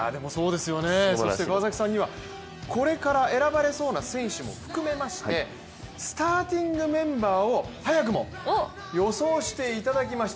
そして川崎さんにはこれから選ばれそうな選手も含めましてスターティングメンバーを早くも予想していただきました。